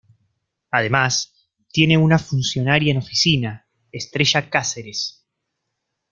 Además, tiene una funcionaria en oficina, Estrella Cáceres.